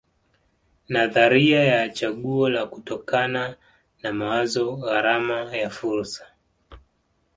Nadharia ya chaguo la kutokana na mawazo gharama ya fursa